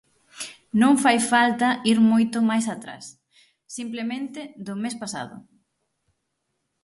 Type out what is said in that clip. Non fai falta ir moito máis atrás, simplemente do mes pasado.